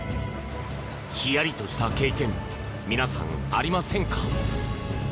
ひやりとした経験皆さんありませんか？